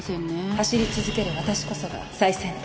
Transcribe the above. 走り続ける私こそが最先端。